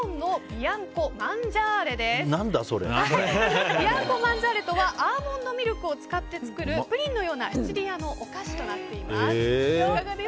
ビアンコマンジャーレとはアーモンドミルクを使って作るプリンのようなシチリアのお菓子となっています。